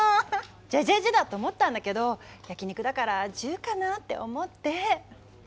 「じぇじぇじぇ」だと思ったんだけど焼き肉だから「じゅ」かなって思って。